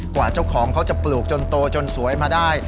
กว่าเจ้าของเขาจะปลูกจนโตจนสวยมาได้